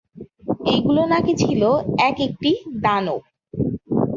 এইগুলো নাকি ছিল এক একটি দানব।